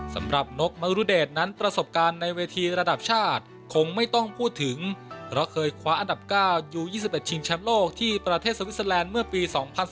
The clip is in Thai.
สำหรับนกมรุเดชนั้นประสบการณ์ในเวทีระดับชาติคงไม่ต้องพูดถึงเพราะเคยคว้าอันดับ๙ยู๒๑ชิงแชมป์โลกที่ประเทศสวิสเตอร์แลนด์เมื่อปี๒๐๑๙